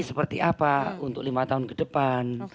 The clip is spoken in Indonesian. seperti apa untuk lima tahun ke depan